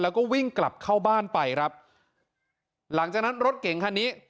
แล้วก็วิ่งกลับเข้าบ้านไปครับหลังจากนั้นรถเก่งคันนี้